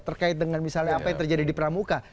terkait dengan misalnya apa yang terjadi di pramuka